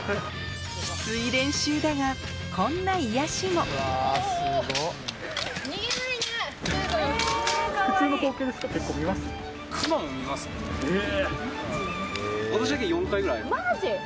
キツい練習だがこんな癒やしもへぇ！